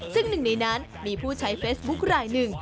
ซึ่งหนึ่งในนั้นมีผู้ใช้เฟซบุ๊คลายหนึ่ง